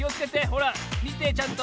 ほらみてちゃんと。